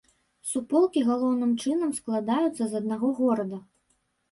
Суполкі галоўным чынам складаюцца з аднаго горада.